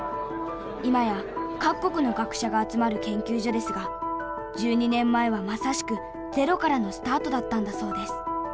今や各国の学者が集まる研究所ですが１２年前はまさしくゼロからのスタートだったんだそうです。